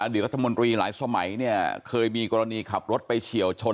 รัฐมนตรีหลายสมัยเนี่ยเคยมีกรณีขับรถไปเฉียวชน